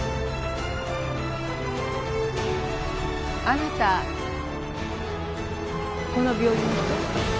あなたこの病院の人？